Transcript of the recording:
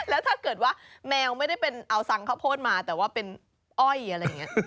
แล้วถ้าเกิดว่าแมวไม่ได้เป็นเอาสังข้าวโพดมาแต่ว่าเป็นอ้อยอะไรอย่างนี้